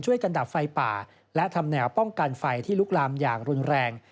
ดับไฟป่าและทำแนวป้องกันไฟที่ลุกลามอย่างรุนแรง